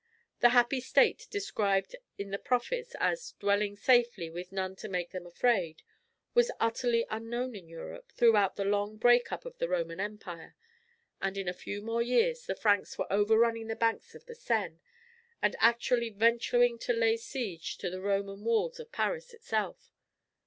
The happy state described in the Prophets as "dwelling safely, with none to make them afraid," was utterly unknown in Europe throughout the long break up of the Roman Empire; and in a few more years the Franks were overrunning the banks of the Seine, and actually venturing to lay siege to the Roman walls of Paris itself.